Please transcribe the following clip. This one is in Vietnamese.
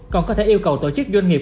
còn có thể yêu cầu tổ chức doanh nghiệp